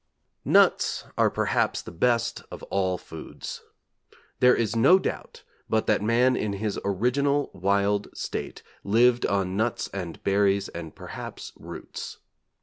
Nuts are perhaps the best of all foods. There is no doubt but that man in his original wild state lived on nuts and berries and perhaps roots.